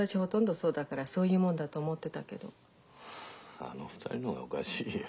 あの２人の方がおかしいよ。